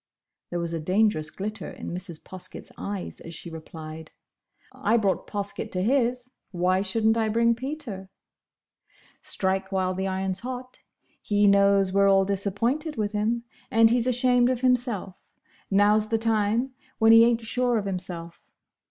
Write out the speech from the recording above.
There was a dangerous glitter in Mrs. Poskett's eyes as she replied, "I brought Poskett to his: why should n't I bring Peter?" "Strike while the iron's hot. He knows we're all disappointed with him, and he's ashamed of himself. Now's the time, when he ain't sure of himself.